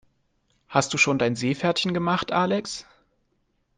Hast du schon dein Seepferdchen gemacht, Alex?